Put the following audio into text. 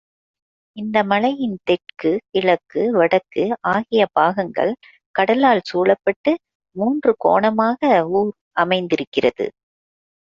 இந்த மலையின் தெற்கு, கிழக்கு, வடக்கு ஆகிய பாகங்கள் கடலால் சூழப்பட்டு மூன்று கோணமாக ஊர் அமைந்திருக்கிறது.